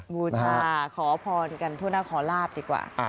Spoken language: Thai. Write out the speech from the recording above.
บูชาขอพรกันทั่วหน้าขอลาบดีกว่า